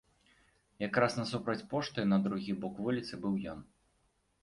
Якраз насупраць пошты на другі бок вуліцы быў ён.